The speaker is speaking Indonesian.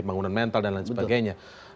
bangunan mental dan lain sebagainya